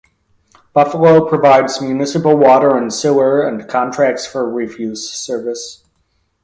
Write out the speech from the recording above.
Buffalo provides municipal water and sewer and contracts for refuse service.